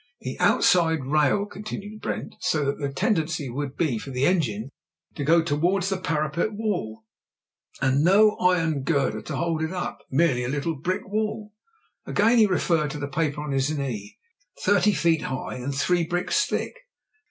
"The outside rail," continued Brent, "so that the tendency would be for the engine to go towards the parapet wall. And no iron girder to hold it up — merely a little brick wall" — ^he again referred to the paper on his knee — ^"three feet high and three bricks thick.